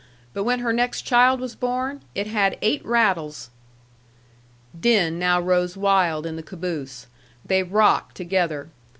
But when her next child was born, it had eight rattles." Din now rose wild in the caboose. They rocked together.